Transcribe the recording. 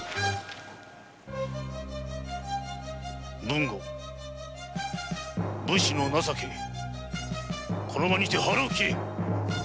豊後武士の情けこの場にて腹を切れ！